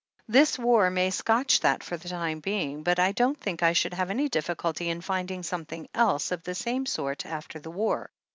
This war may scotch that for the time being, but I don't think I should have any difficulty in finding something else of the same sort after the war.